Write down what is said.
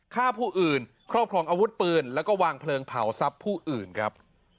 ฆ่าผู้อื่นครอบครองอาวุธปืนแล้วก็วางเพลิงเผาทรัพย์ผู้อื่นครับ